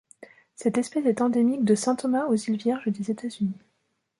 Cette espèce est endémique de Saint Thomas aux îles Vierges des États-Unis.